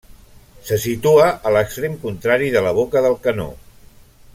Se situa a l'extrem contrari de la boca del canó.